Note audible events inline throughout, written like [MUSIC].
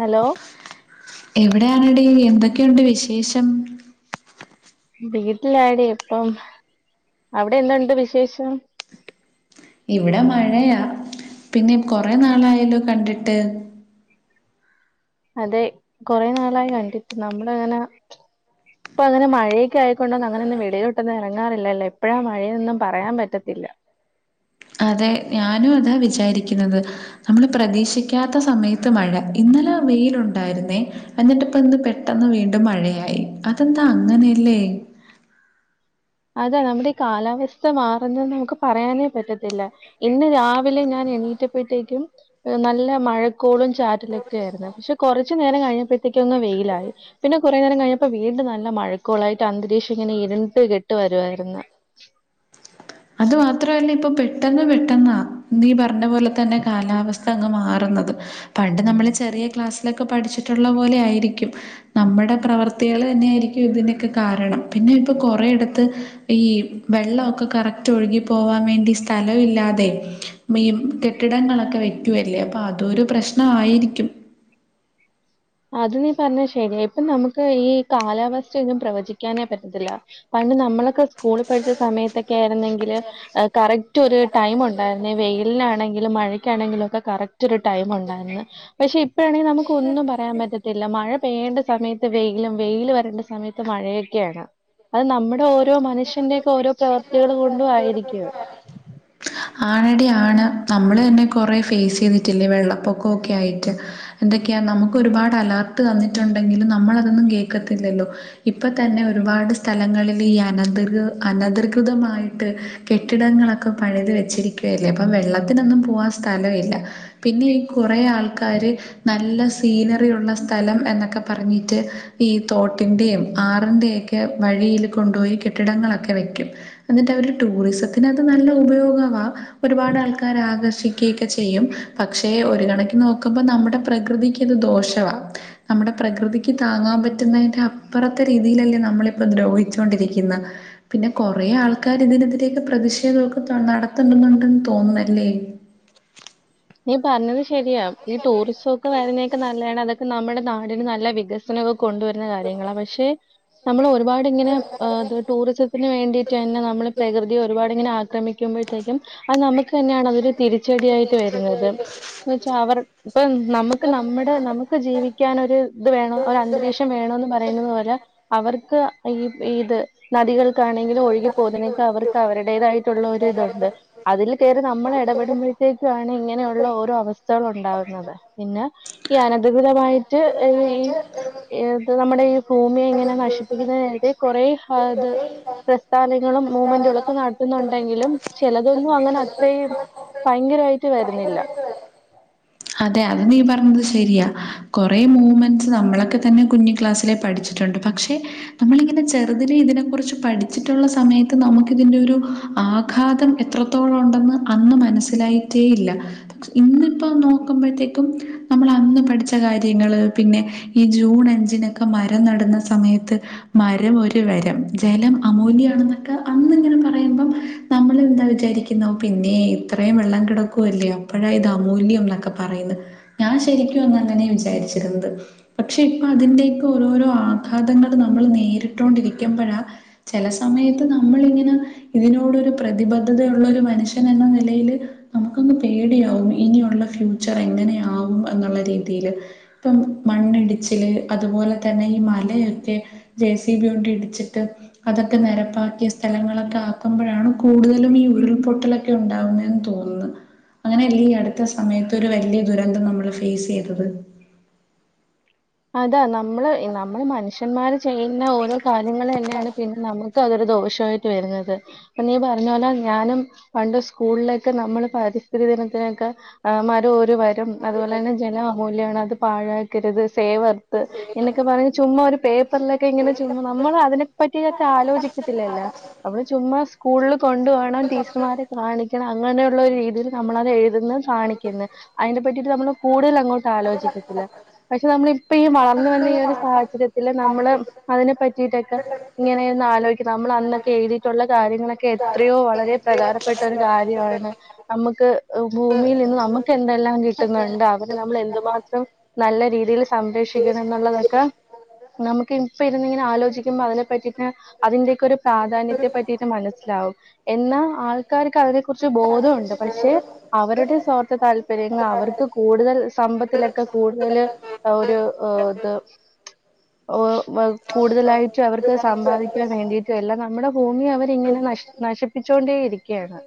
Hello എവിടെയാണടീ എന്തൊക്കെയുണ്ട് വിശേഷം വീട്ട്ലാടി ഇപ്പം അവ്ടെ എന്ത്ണ്ട് വിശേഷം ഇവിടെ മഴയാ പിന്നെ കൊറേ നാളായല്ലൊ കണ്ടിട്ട് അതെ കൊറേ നാളായി കണ്ടിട്ട് നമ്മള് അങ്ങനെ ഇപ്പ അങ്ങനെ മഴെക്കെ ആയേക്കൊണ്ടൊന്നും അങ്ങനൊന്നും വെളിയിലോട്ടൊന്നും എറങ്ങാറില്ലല്ലേ എപ്പഴാ മഴയെന്നും പറയാൻ പറ്റത്തില്ല അതെ ഞാനും അതാ വിചാരിക്കുന്നത് അമ്മള് പ്രതീക്ഷിക്കാത്ത സമയത്ത് മഴ ഇന്നലെ വെയിലുണ്ടായിരുന്നേ എന്നിട്ട് ഇപ്പന്ന് പെട്ടെന്ന് വീണ്ടും മഴയായി അതെന്താ അങ്ങനെയല്ലേ അതാ നമ്മുടെ ഈ കാലാവസ്ഥ മാറുന്നെന്ന് നമുക്ക് പറയാനേ പറ്റത്തില്ല ഇന്ന് രാവിലെ ഞാൻ എണീറ്റപ്പഴ്ത്തേക്കും ഏഹ് നല്ല മഴക്കോളും ചാറ്റലൊക്കെ ആയിരുന്നു പക്ഷേ കൊറച്ച് നേരം കഴിഞ്ഞപ്പഴത്തേക്കൊന്ന് വെയിലായി പിന്നെ കൊറേ നേരം കഴിഞ്ഞപ്പൊ വീണ്ടും നല്ല മഴക്കോളായിട്ട് അന്തരീക്ഷം ഇങ്ങനെ ഇരുണ്ട് കെട്ട് വരുവാര്ന്ന് അതും മാത്രവല്ല ഇപ്പം പെട്ടെന്ന് പെട്ടെന്നാ നീ പറ്ഞ്ഞ പോലെ തന്നെ കാലാവസ്ഥ അങ്ങ് മാറുന്നത് പണ്ട് നമ്മള് ചെറിയേ ക്ലാസ്സിലൊക്കെ പഠിച്ചിട്ടുള്ള പോലെയായിരിക്കും നമ്മടെ പ്രവർത്തികള് തന്നെയായിരിക്കും ഇതിനെക്കെ കാരണം പിന്നെ ഇപ്പൊ കൊറേയിടത്ത് ഈ വെള്ളൊക്കെ കറ ക്റ്റ് ഒഴുകി പോവാ വേണ്ടി സ്ഥലവില്ലാതെ മി കെട്ടിടങ്ങളൊക്കെ വെ ക്ക്യുവല്ലേ അപ്പ അതൊരു പ്രശ്നവായിരിക്കും അത് നീ പറ്ഞ്ഞെ ശരിയാ ഇപ്പ നമുക്ക് ഈ കാലാവസ്ഥയൊന്നും പ്രവചിക്കാനേ പറ്റത്തില്ല പണ്ട് നമ്മളൊക്കെ സ്കൂള് പഠിച്ച സമയത്തൊക്കെയാര്ന്നെങ്കില് ഏഹ് കറക്റ്റ് ഒരു ടൈമുണ്ടാര്ന്നെ വെയില്നാണെങ്കിലും മഴക്കാണെങ്കിലൊക്കെ കറക്റ്റൊര് ടൈമുണ്ടാര്ന്ന് പക്ഷേ ഇപ്പഴാണെങ്കി നമുക്ക് ഒന്നും പറ യാൻ പറ്റത്തില്ല മഴ പെയ്യേണ്ട സമയത്ത് വെയിലും വെയില് വരേണ്ട സമയത്ത് മഴയെക്ക്യെയാണ് അത് നമ്മുടെ ഓരോ മനുഷ്യന്റെക്കെ ഓരോ പ്രവർത്തികള് കൊണ്ടും ആയിരിക്ക്യും ആണെടി ആണ് നമ്മള് തന്നെ കൊറേ ഫേസെയ്തിട്ടില്ലേ വെള്ളപ്പൊക്കൊക്ക്യായിട്ട് എന്തൊക്കെയാ നമുക്ക് ഒരുപാട് അലെർട്ട് തന്നിട്ടുണ്ടെങ്കിലും നമ്മള് അതൊന്നും കേക്കത്തില്ലല്ലോ ഇപ്പ തന്നെ ഒരുപാട് സ്ഥലങ്ങളിൽ ഈ അനധ്ക് അനധ്കൃതമായിട്ട് കെട്ടിടങ്ങളൊക്കെ പണിത് വെച്ചിരിക്കുവല്ലേ അപ്പം വെള്ളത്തിനൊന്നും പോവാൻ സ്ഥലവില്ല പിന്നെ ഈ കൊറേ ആൾക്കാര് നല്ല സീനറിയുള്ള സ്ഥലം എന്നൊക്കെ പറഞ്ഞിട്ട് ഈ തോട്ടിന്റേം ആറിന്റെയെ [UNINTELLIGIBLE] വഴിയില് കൊണ്ടോയി കെട്ടിടങ്ങളൊക്കെ വെക്ക്യും. എന്നിട്ട് അവര് ടൂറിസത്തിന് അത് നല്ല ഉപയോഗ വാ ഒരുപാട് ആൾക്കാരെ ആകർഷി ക്ക്യിക്കെ ചെയ്യും പക്ഷേ ഒരു കണക്കിൻ നോക്കുമ്പോ നമ്മുടെ പ്രകൃതിക്ക്യത് ദോഷവാ നമ്മുടെ പ്രകൃതിക്ക് താങ്ങാൻ പറ്റുന്നേന്റെ അപ്പറത്തെ രീതിലല്ലേ നമ്മള്പ്പം ദ്രോഹിച്ചോണ്ടിരിക്കിന്നെ പിന്നെ കൊറേ ആൾക്കാര് ഇതിന് എതിരെക്കെ പ്രതിഷേധവൊക്കെ തൊ നടത്തുന്ന്ണ്ടെന്നണ്ടന്ന് തോന്നുന്നല്ലേ നീ പറ്ഞ്ഞത് ശരിയാ ഈ ടൂറിസൊക്കെ വര്നെക്കെ നല്ലയാണ് അതൊക്കെ നമ്മടെ നാടിന് നല്ല വിക സനൊക്ക കൊണ്ടു വെര്നെ കാര്യങ്ങളാ പക്ഷേ ഞമ്മള് ഒരുപാട് ഇങ്ങനെ ആഹ് ഇത് ടൂറിസത്തിന് വേണ്ടിയിട്ടന്നെ നമ്മള് പ്രകൃതിയെ ഒരുപാട് ഇങ്ങനെ ആക്രമിക്ക്യുമ്പഴത്തേക്ക്യും അത് നമുക്ക് തന്നെയാണ് അതൊര് തിരിച്ചടിയായിട്ട് വരുന്നത് ന്ന് വച്ചാ അവർ ഇപ്പ നമുക്ക് നമ്മടെ നമുക്ക് ജീവിക്യാൻ ഒരു ഇത് വേണം ഒരു അന്തരീക്ഷം വേണന്ന് പറയുന്നത് പോലെ അവർക്ക് ഈ ഈ ത് നദികൾക്കാണെങ്കിലും ഒഴുകി പോതിനേക്ക അവർക്ക് അവര്ടേതായിട്ടുള്ള ഒര്തുണ്ട് അതില് കേറി നമ്മള് ഇടപെടുമ്പഴത്തേക്കാ ണ് ഇങ്ങനെ ഉള്ള ഓരോ അവസ്ഥകള് ഉണ്ടാവുന്നത് പിന്നെ ഈ അനകൃതകൃതമായിട്ട് ഈ ഇത് നമ്മുടെ ഈ ഭൂമിയെ ഇങ്ങനെ നശിപ്പിക്കുന്നതിനായിട്ട് കോറെ അത് പ്രസ്ഥാനങ്ങളും മൂവ്മെന്റുകളൊക്കെ നട്ത്തുന്നുണ്ടെങ്കിലും ചെലതൊന്നും അങ്ങനെ അത്രേം ഭയങ്കരായിട്ട് വരുന്നില്ല അതെ അത് നീ പർഞ്ഞത് ശരിയാ കോറേ മൂവ്മെന്റ്സ് നമ്മളക്കെ തന്നെ കുഞ്ഞി ക്ലാസ്സ്ലെ പഠിച്ചിട്ടുണ്ട് പക്ഷെ നമ്മളിങ്ങനെ ചെറുതിലെ ഇതിനെ കുറിച്ച് പഠിച്ചിട്ടുള്ള സമയത്ത് നമുക്ക് ഇതിന്റെ ഒരു ആഘാതം എത്രത്തോളം ഉണ്ടെന്ന് അന്ന് മനസ്സിലായിട്ടേയില്ല ഇന്ന് ഇപ്പോ നോ ക്കുമ്പഴത്തേക്കും നമ്മള് അന്ന് പഠിച്ച കാര്യങ്ങള് പിന്നെ ഈ ജൂൺ അഞ്ചിന് ക്ക മരം നട്ന്ന സമയത്ത് മരം ഒരു വരം ജലം അമൂല്യാണന്നൊക്കെ അന്ന് ഇങ്ങനെ പറയുമ്പം നമ്മളെന്താ വിചാരിക്കുന്ന ഒ പിന്നെ ഇത്രയും വെള്ളം കിടക്കുവല്ലേ അപ്പഴാ ഇത് അമൂല്യം ന്നൊക്ക പറയുന്ന ഞാൻ ശരിക്കും അന്ന് അങ്ങനെ വിചാരിച്ചിരുന്നത് പക്ഷെ ഇപ്പ അതിന്റെയേക്ക ഓരോരോ ആഘാതങ്ങള് നമ്മള് നേരിട്ടോണ്ടിരിക്കുമ്പഴ ചെല സമയത്ത് നമ്മള് ഇങ്ങന ഇതിനോട് ഒരു പ്രതിബദ്ധതയുള്ള ഒരു മനുഷ്യൻ എന്ന നിലയില് നമുക്കൊന്ന് പേടിയാവും ഇനിയുള്ള ഫ്യൂച്ചർ എങ്ങനെയാവും എന്നുള്ള രീതിയില് ഇപ്പം മണ്ണിടിച്ചില് അതുപോലെ തന്നെ ഈ മലയൊക്കെ ജേ സി ബി കൊണ്ട് ഇടിച്ചിട്ട് അതൊക്കെ നെരപ്പാക്കി സ്ഥലങ്ങളൊക്ക ആക്കുമ്പഴാണ് കൂടുതലും ഈ ഉരുൾപൊട്ടലൊ ഉണ്ടാവുന്നെന്ന് തോന്നുന്നു. അങ്ങനെയല്ലെ ഈ അടുത്ത സമയ ത് ഒരു വല്ല്യ ദുരന്തം നമ്മള് ഫേസ് ചെയ്തത് അതാ നമ്മള് നമ്മള് മനുഷ്യന്മാര് ചെയ്യുന്ന ഓരോ കാര്യങ്ങള് തന്നെണ് പിന്നെ നമു ക്ക അതരു ദോഷവായിട്ട് വരുന്നത് ഇപ്പ നീ പറഞ്ഞ പോലെ ഞാനും പണ്ട് സ്കൂൾലേക്ക് നമ്മള് പരിസ്ഥിതി ദിനത്തിനെക്കെ ആ മരം ഒരു വരം അതുപോലെന്നെ ജല അമൂല്യാണ് അത് പാഴാക്കരുത് സേവ് എർത്ത് എന്നൊക്കെ പറഞ്ഞ് ചുമ്മാ ഒരു പേപ്പർലൊക്കെ ഇങ്ങനെ ചുമ്മ നമ്മള അതിനെ പറ്റി ഒക്ക ആലോചിക്കത്തില്ലല്ലോ നമ്മള് ചുമ്മാ സ്കൂൾല് കൊണ്ട് പോണം ടീച്ചർമാരെ കാണിക്കണം അങ്ങനെയുള്ള ഒരു രീതിയില് നമ്മള അത് എഴുതുന്ന കാണിക്കുന്നു. അയിനെ പറ്റിയിട്ട് നമ്മള് കൂടുതല് അങ്ങോട്ട് ആലോചിക്കത്തില്ല നമ്മള് ഇപ്പ ഈ വളർന്ന് വന്ന ഈ ഒരു സാഹചര്യത്തില് നമ്മള് അതിന് പറ്റിയിട്ടൊക്കെ ഇങ്ങനെന്ന് ആലോയിക്കണ നമ്മള് അന്നൊക്കെ എഴുതിട്ടുള്ള കാര്യ ങ്ങള് ഒക്കെ എത്രയോ വളരെ പ്രധാനപ്പെട്ട ഒരു കാര്യ ആണ് നമ്മക്ക് ഭൂമിയിൽ നിന്ന് നമ്മക്ക് എന്തെല്ലാം കിട്ടുന്ന്ണ്ട് അവര് നമ്മളെ എന്തു മാത്രം നല്ല രീതിയില് സംരക്ഷിക്കണം ന്നുള്ളതൊക്ക നമുക്ക് ഇപ്പ ഇരുന്ന് ഇങ്ങനെ ആലോചിക്കുമ്പ അതിനെ പറ്റിയിട്ട് അതിന്റെ ഒക്കെ ഒരു പ്രാധാന്യത്തെ പറ്റിയിട്ട് മനസ്സിലാവും എന്നാ ആൾക്കാര്ക്ക് അവരെ കൊർച്ച് ബോധം ഉണ്ട് പക്ഷേ അവരുടെ സ്വാർത്ഥ താല്പര്യങ്ങൾ അവർക്ക് കൂടുതൽ സമ്പത്തില് ഒക്കെ കൂടുതല് ഒരു ഇത് ഒ വയ് കൂടുതല് ആയിട്ടും അവർക്ക് സമ്പാദിക്കാൻ വേണ്ടിയിട്ട് എല്ലാം നമ്മുടെ ഭൂമി അവര് ഇങ്ങനെ നശ് നശി പ്പിച്ചൊണ്ടേ ഇരിക്കയാണ്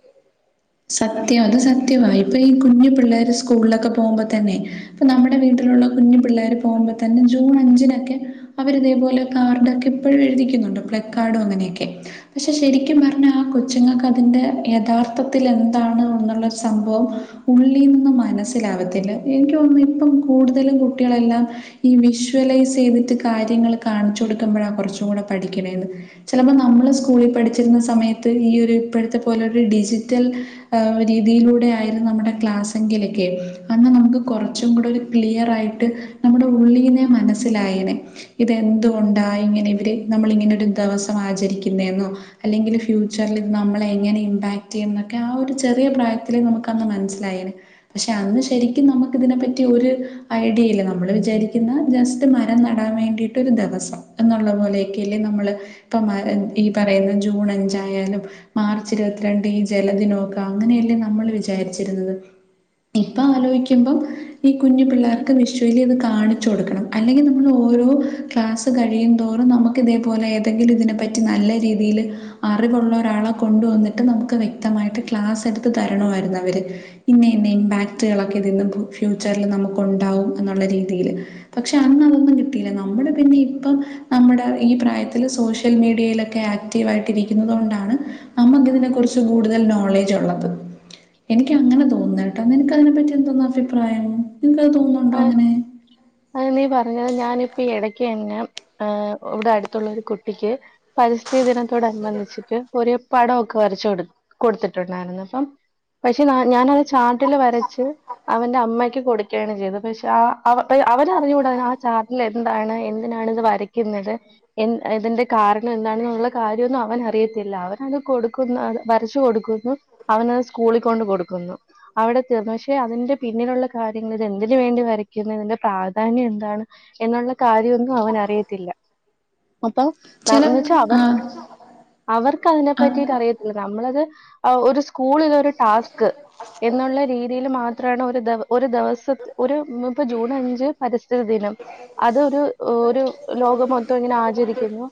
സത്യം അത് സത്യവാ ഇപ്പൊ ഈ കുഞ്ഞു പിള്ളേര് സ്കൂളില് ഒക്കെ പോകുമ്പോ തന്നെ ഇപ്പൊ നമ്മുടെ വീട്ടില് ഒള്ള കുഞ്ഞ് പിള്ളേര് പോകുമ്പോ തന്നെ ജൂൺ അഞ്ചിന് ഒക്കെ അവര് അതെ പോലെ ഫ്ലപ്പ് കാർഡൊ ഒക്കെ എപ്പോഴും എഴിതിക്കുന്നുണ്ട് ഫ്ലപ്പ് കാർഡും അങ്ങനെ ഒക്കെ. പക്ഷേ ശരിക്കും പറഞ്ഞാ ആ കൊച്ചുങ്ങൾക്ക് അതിന്റെ യഥാർത്ഥത്തിൽ എന്താണ് എന്നുള്ള സംഭവം ഉള്ളി നിന്നും മനസ്സില് ആകത്തില്ല. എനിക്ക് തോന്നുന്നു ഇപ്പം കൂടുതലും കുട്ടികള് എല്ലാം ഈ വിഷ്വലൈസ് ചെയ്തിട്ട് കാര്യങ്ങള് കാണിച്ചു കൊടുക്കുമ്പഴാ കൊറ്ച്ചൂ കൂടെ പഠിക്കണേ എന്ന് ചെലപ്പം നമ്മള് സ്കൂളിൽ പഠിച്ചിരുന്ന സമയത്ത് ഈ ഒരു ഇപ്പോഴത്തെ പോലെ ഒരു ഡിജിറ്റൽ ആ രീതിയിലൂടെ ആയിരുന്നു നമ്മുടെ ക്ലാസ്സ് എങ്കില് ഒക്കെ അന്ന് നമുക്ക് കൊറച്ചും കൂടെ ഒരു ക്ലിയർ ആയിട്ട് നമ്മുടെ ഉള്ളീനെ മനസ്സിലായനെ. ഇത് എന്ത് കൊണ്ടാ ഇങ്ങനെ ഇവര് നമ്മള് ഇങ്ങനെ ഒരു ദെവസം ആചരിക്കുന്നെ എന്നോ, അല്ലെങ്കിലും ഫ്യൂച്ചറില് നമ്മളെ എങ്ങനെ ഇമ്പാക്ട് ചെയ്യും എന്ന് ഒക്കെ ആ ഒരു ചെറിയ പ്രായത്തില് നമുക്ക് അങ്ങ് മനസ്സിലായനെ. പക്ഷേ അന്ന് ശരിക്കും നമുക്ക് ഇതിനെപ്പറ്റി ഒരു ഐഡിയ ഇല്ല നമ്മള് വിചാരിക്കുന്ന് ജസ്റ്റ് ത്ത് മരം നടാൻ വേണ്ടിയിട്ട് ഒരു ദെവസം എന്ന് ഒള്ള പോലെ ഒക്കെ അല്ലേ നമ്മള് ഇപ്പ ഈ പറയുന്ന ജൂൺ അഞ്ചായാലും മാർച്ച് ഇരുപത്തിരണ്ടിന് ജെ ല നോക്ക അങ്ങനെ അല്ലേ നമ്മള് വിചാരിച്ച് ഇരുന്നത് ഇപ്പൊ ആലോചിക്കുമ്പം. ഈ കുഞ്ഞു പിള്ളേർക്ക് വിഷ്വലി അത് കാണിച്ചു കൊടുക്കണം. അല്ലെങ്കിൽ നമ്മൾ ഓരോ ക്ലാസ്സ് കഴിയും തോറും നമുക്ക് ഇതേപോലെ ഏതെങ്കിലും ഇതിനെപ്പറ്റി നല്ല രീതിയിൽ അറിവ് ഒള്ള ഒരാളെ കൊണ്ടു വന്നിട്ട് നമുക്ക് വ്യക്തമായിട്ട് ക്ലാസ് എടുത്ത് തരണം മായിരുന്നു അവര്. ഇന്നെ ഇന്നെ ഇമ്പാക്ടുകള് ഒക്കെ ഇതിന്ന് ഫ്യൂ ഫ്യൂച്ചറിൽ നമുക്ക് ഒണ്ടാവും എന്ന് ഒള്ള രീതിയില്. പക്ഷേ അന്ന് അത് ഒന്നും കിട്ടിയില്ല നമ്മള് പിന്നെ ഇപ്പം നമ്മുടെ ഈ പ്രായത്തില് സോഷ്യൽ മീഡിയയില് ഒക്കെ ആക്റ്റീവ് ആയിട്ട് ഇരിക്കുന്നത് കൊണ്ടാണ് അമ്മക്ക് ഇതിനെ കുറിച്ച് കൂടുതൽ നോളേജ് ഒള്ളത്. എനിക്ക് അങ്ങനെ തോന്ന് കേട്ടാ, നിനക്ക് അതിനെ പറ്റി എന്തോന്ന് അഭിപ്രായം? നിനക്ക് അത് തോന്ന് ഒണ്ടോ അങ്ങനെ? അ നീ പറഞ്ഞത് ഞാനിപ്പ ഇടക്ക് അന്നെ ഏ ഇവിടെ അടുത്ത് ഒള്ള ഒരു കുട്ടിക്ക് പരിസ്ഥിതി ദിനത്തോട് അനുബന്ധിച്ചിട്ട് ഒരേ പടം ഒക്കെ വരച്ച് കൊ കൊടുത്തിട്ട് ഉണ്ടായിരുന്നു. അപ്പം പക്ഷേ ഞാ ഞാന് ഒരു ചാർട്ടില് വരച്ച് അവന്റെ അമ്മയ്ക്ക് കൊടുക്കേണ് ചെയ്തത്. പക്ഷേ ആ അവ അവന് അറിഞ്ഞു കൂടാ ആ ചാർട്ടിൽ എന്താണ് എന്തിനാണ് ഇത് വരയ്ക്കുന്നത്. എ ഇതിന്റെ കാരണം എന്താണ് എന്ന് ഒള്ള കാര്യൊന്നും അവന് അറിയത്തില്ല അവനത് കൊടുക്കുന്നു. അത് വരച്ചു കൊടുക്കുന്നു അവനത് സ്കൂളിൽ കൊണ്ട് കൊടുക്കുന്നു. അവിടെ തീർന്നു പക്ഷേ അതിന്റെ പിന്നില് ഒള്ള കാര്യങ്ങള് എ എന്തിന് വേണ്ടി വരയ്ക്കുന്നേ ഇതിന്റെ പ്രാധാന്യം എന്താണ് എന്ന് ഒള്ള കാര്യം ഒന്നും അവന് അറിയത്തില്ല. അപ്പൊ എന്ന് ചെലപ് വെച്ചാ ആഹ് അവർക്ക് അവർക്ക് അതിനെ അത് പറ്റിട്ട് അറിയത്തില്ല. നമ്മളത് ഒരു സ്കൂളില് ഒരു ടാസ്ക് എന്ന് ഒള്ളേ രീതിയിൽ മാത്രാണ് ഒരു ദെ ഒരു ദെവസത്തെ ഒരു ഇപ്പൊ ജൂൺ അഞ്ച് പരിസ്ഥിതി ദിനം. അത് ഒരു ഒരു ലോകം മൊത്തം ഇങ്ങനെ ആചരിക്കുന്നു.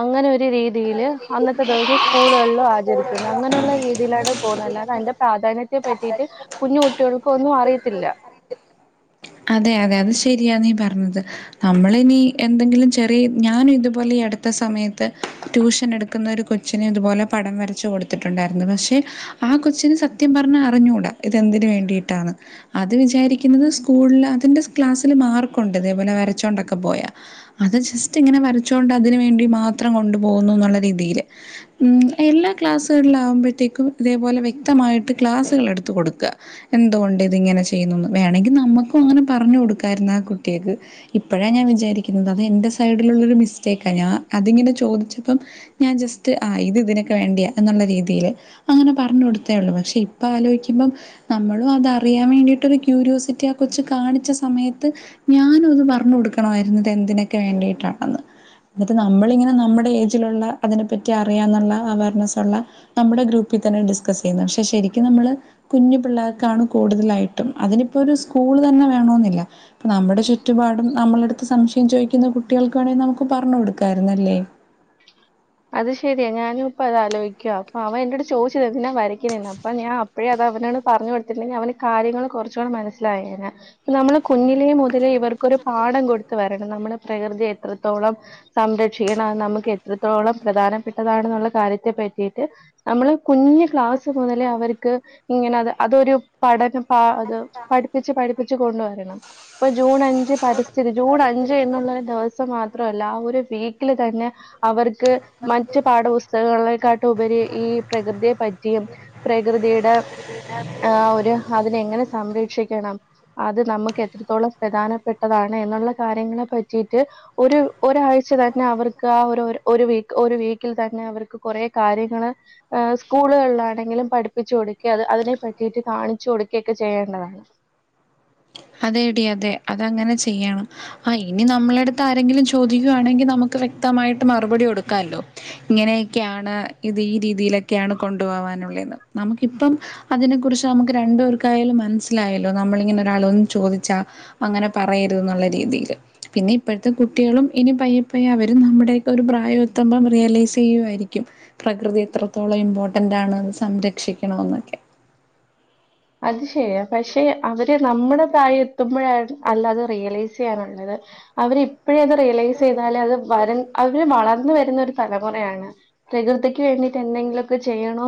അങ്ങനെ ഒരു രീതിയില് അന്നത്തെ ദെവസം സ്കൂള് കളിലോ ആചരിക്കുന്നു. അങ്ങനെ ഒള്ള രീതിയിലാണ് പോകുന്നത് അല്ലാതെ അതിന്റെ പ്രാധാന്യത്തെ പറ്റിയിട്ട് കുഞ്ഞു കുട്ടികൾക്ക് ഒന്നും അറിയത്തില്ല. അതെ അതെ അത് ശരിയാണ് നീ പറഞ്ഞത്. നമ്മള് ഇനി എന്തെങ്കിലും ചെറിയ ഞാനും ഇത് പോലെ ഈ അടുത്ത സമയത്ത് ട്യൂഷന് എടുക്കുന്ന ഒരു കൊച്ചിന് ഇതുപോലെ പടം വരച്ച് കൊടുത്തിട്ടുണ്ടായിരുന്നു. പക്ഷേ ആ കൊച്ചിന് സത്യം പറഞ്ഞ അറിഞ്ഞൂടാ ഇത് എന്തിന് വേണ്ടിയിട്ടാണ് അത് വിചാരിക്കുന്നത് സ്കൂള് അതിൻ്റെ ക്ലാസ്സിൽ മാർക്കൊണ്ട് ഇതേപോലെ വരച്ചൊണ്ടൊക്കെ പോയാ അത് ജസ്റ്റ് ഇങ്ങനെ വരച്ചോണ്ട് അതിന് വേണ്ടി മാത്രം കൊണ്ടു പോവുന്നുന്നുള്ള രീതിയിൽ ഉം എല്ലാ ക്ലാസ്സുകളില് ആകുമ്പഴത്തേക്കും ഇതേപോലെ വ്യക്തമായിട്ട് ക്ലാസ്സുകള് എടുത്ത് കൊടുക്ക എന്തുകൊണ്ട് ഇത് ഇങ്ങനെ ചെയ്യുന്നുന്ന് വേണെങ്കി നമ്മക്കും അങ്ങനെ പറഞ്ഞു കൊടുക്കായിരുന്ന് ആ കുട്ടിയെക്ക് ഇപ്പഴാ ഞാൻ വിചാരിക്കുന്നത് അത് എന്റെ സൈഡിലുള്ളൊരു മിസ്റ്റേക്കാ ഞാൻ അതിങ്ങനെ ചോദിച്ചപ്പം ഞാൻ ജസ്റ്റ് ആഹ് ഇത് ഇതിനൊക്കെ വേണ്ടിയാ എന്നുള്ള രീതിയില് അങ്ങനെ പറഞ്ഞു കൊടുത്തേ ഉള്ളൂ പക്ഷെ ഇപ്പൊ ആലോയിക്കുമ്പം നമ്മളും അതറിയാൻ വേണ്ടിയിട്ട് ഒരു ക്യൂരിയോസിറ്റി ആ കൊച്ച് കാണി സമയത്ത് ഞാനും അത് പറഞ്ഞു കൊടുക്കണമായിരുന്നു ഇത് എന്തിനൊക്കെ വേണ്ടിട്ടാണെന്ന് ഇത് നമ്മളിങ്ങനെ നമ്മുടെ ഏജിലുള്ള അതിനെപ്പറ്റി അറിയാന്നുള്ള അവയർനെസ്സുള്ള നമ്മുടെ ഗ്രൂപ്പി തന്നെ ഡിസ്കസ് ചെയ്യുന്നത് പക്ഷെ ശരിക്കും നമ്മള് കുഞ്ഞു പിള്ളേർക്കാണ് കൂടുതലായിട്ടും അതിനിപ്പോ ഒരു സ്കൂൾ തന്നെ വേണോന്നില്ല നമ്മുടെ ചുറ്റുപാടും നമ്മളടുത്ത് സംശയം ചോദി കുട്ടികൾക്ക് വേണെങ്കിൽ നമുക്ക് പറഞ്ഞു കൊടുക്കായിരുന്നല്ലേ അത് ശരിയ ഞാനും ഇപ്പ അത് ആലോയിക്ക അപ്പൊ അവൻ എന്റട്ത്ത് ചോദിച്ചത് എന്തിനാ വരക്കുന്നേന്ന് അപ്പൊ ഞാൻ അപ്പഴേ അത് അവനോട് പറഞ്ഞു കൊടുത്തിട്ടുണ്ടെങ്കി അവന് കാര്യങ്ങൾ കൊറച്ചുകൂടെ മനസ്സിലായേനെ നമ്മള് കുഞ്ഞിലെ മുതലേ ഇവർക്കൊരു പാഠം കൊടുത്ത് വരണം നമ്മുടെ പ്രകൃതി എത്രത്തോളം സംരക്ഷിക്കണം നമ്മക്ക് എത്രത്തോളം പ്രധാനപ്പെട്ടതാണെന്നുള്ള കാര്യത്തെ പറ്റിയിട്ട് നമ്മള് കുഞ് ക്ലാസ്സ് മുതലേ അവർക്ക് ഇങ്ങനെ അത് അതൊരു പഠനം പ അത് പഠിപ്പിച്ച് പഠിപ്പിച്ച് കൊണ്ടുവരണം ഇപ്പൊ ജൂൺ അഞ്ച് പരിസ്ഥിതി ജൂൺ അഞ്ച് എന്നുള്ള ഒരു ദിവസം മാത്രല്ല ആ ഒരു വീക്കില് തന്നെ അവർക്ക് മറ്റു പാഠപുസ്തകങ്ങളെക്കാട്ടും ഉപരി ഈ പ്രകൃതിയെ പറ്റിയും പ്രകൃതിയുടെ ആ ഒരു അതിനെ എങ്ങനെ സംരക്ഷിക്കണം അത് നമ്മക്ക് എത്രത്തോളം പ്രധാനപ്പെട്ടതാണ് എന്നുള്ള കാര്യങ്ങളെ പറ്റീട്ട് ഒരു ഒരാഴ്ച തന്നെ അവർക്ക് ആ ഒരു ഒരു ഒരു വീക്ക് ഒരു വീക്കിൽ തന്നെ അവർക്ക് കൊറേ കാര്യങ്ങള് ആഹ് സ്കൂളുകളിലാണെങ്കിലും പഠിപ്പിച്ചു കൊടുക്കേ അത് അതിനെ പറ്റിയിട്ട് കാണിച്ചു കൊടുക്കകൊക്കെ ചെയ്യേണ്ടതാണ് അതെ ഡീ അതെ അതങ്ങനെ ചെയ്യണം ആഹ് ഇനി നമ്മളടുത്ത് ആരെങ്കിലും ചോദിക്കുയാണെങ്കി നമുക്ക് വ്യക്തമായിട്ട് മറുപടി കൊടുക്കാല്ലോ ഇങ്ങനെയൊക്കെയാണ് ഇത് ഈ രീതിയിലൊക്കെയാണ് കൊണ്ടു പോവാനുള്ളേന്ന് നമുക്കിപ്പം അതിനെകുറിച്ച് നമുക്ക് രണ്ട് പേർക്കായാലും മനസ്സിലായല്ലോ നമ്മളിങ്ങനെ ഒരാൾ വന്ന് ചോദിച്ചാ അങ്ങനെ പറയരുത് ന്നുള്ള രീതിയിൽ പിന്നെ ഇപ്പഴത്തെ കുട്ടികളും ഇനി പയ്യ പയ്യ അവരും നമ്മുടെയൊക്കെ ഒരു പ്രായം എത്തുമ്പം റിയലൈസ് ചെയ്യുവായിരിക്കും പ്രകൃതി എത്രത്തോളം ഇമ്പോർട്ടന്റ് ആണ് സംരക്ഷിക്കണോന്നൊക്കെ അത് ശരിയാ പക്ഷെ അവര് നമ്മുടെ പ്രായം എത്തുമ്പഴാണ് അല്ല അത് റിയലൈസ് ചെയ്യാനുള്ളത് അവരിപ്പഴേ അത് റിയലൈസ് ചെയ്താല് അത് വരും അവര് വളർന്ന് വരുന്നൊരു തലമുറയാണ് പ്രകൃതിക്ക് വേണ്ടിട്ട് എന്തെങ്കിലൊക്കെ ചെയ്യണോ